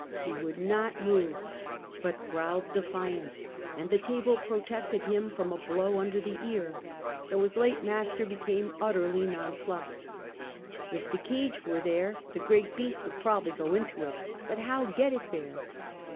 He would not move, but 100 Half a Ceisttuey. growled defiance, and the table protected him from a blow under the ear, so his late master became utterly nonplussed. If the cage were there, the great beast would probably go into it, but how get it there?